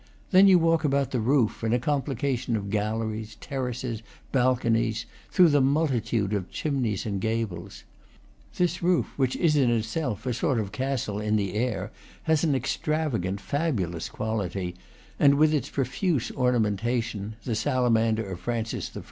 Then you walk about the roof, in a complication of galleries, terraces, balconies, through the multitude of chimneys and gables. This roof, which is in itself a sort of castle in the air, has an extravagant, faboulus quality, and with its profuse ornamentation, the salamander of Francis I.